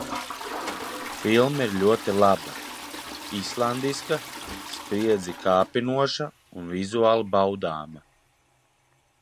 Filma ir ļoti laba. Islandiska, spriedzi kāpinoša un vizuāli baudāma.